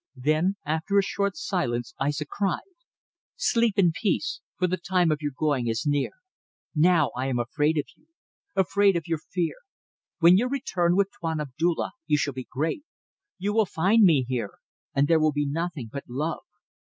Then after a short silence Aissa cried "Sleep in peace for the time of your going is near. Now I am afraid of you. Afraid of your fear. When you return with Tuan Abdulla you shall be great. You will find me here. And there will be nothing but love.